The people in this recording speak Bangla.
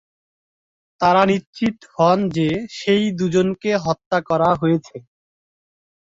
তারা নিশ্চিত হন যে সেই দুজনকে হত্যা করা হয়েছে।